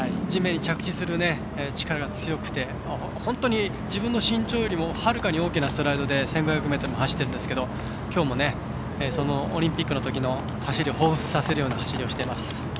地面に着地する力が強くて本当に自分の身長よりもはるかに大きいスライドで１５００ｍも走ってるんですけどきょうもオリンピックのときの走りをほうふつとさせるような走りをしています。